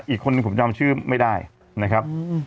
อีกคนนึงผมยอมชื่อไม่ได้นะครับ